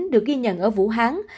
được ghi nhận ở các bệnh nhân